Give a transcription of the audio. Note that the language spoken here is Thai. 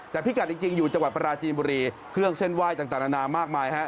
แต่พิกัดจริงอยู่จังหวัดปราจีนบุรีเครื่องเส้นไหว้ต่างนานามากมายฮะ